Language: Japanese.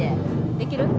できる？